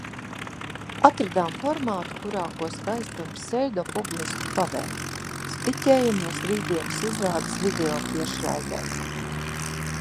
Atradām formātu, kurā ko skaistu un pseidopublisku paveikt – stiķējamies rītdienas izrādes videotiešraidei.